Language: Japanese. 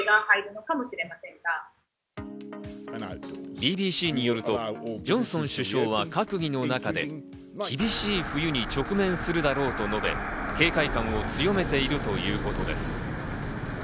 ＢＢＣによるとジョンソン首相は閣議の中で、厳しい冬に直面するだろうと述べ、警戒感を強めているということです。